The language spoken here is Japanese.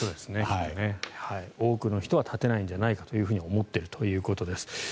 多くの人は絶てないんじゃないかと思っているということです。